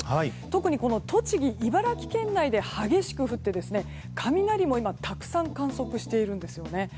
特に栃木、茨城県内で激しく降って雷もたくさん観測しているんですね。